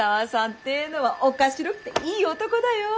ってえのはおかしろくていい男だよ。